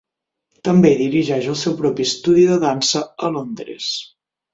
També dirigeix el seu propi estudi de dansa a Londres.